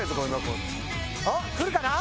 おっくるかな？